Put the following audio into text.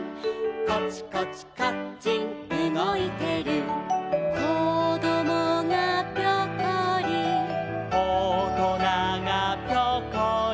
「コチコチカッチンうごいてる」「こどもがピョコリ」「おとながピョコリ」